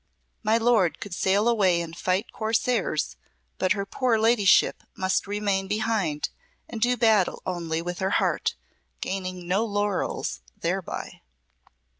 My lord could sail away and fight corsairs, but her poor ladyship must remain behind and do battle only with her heart, gaining no laurels thereby.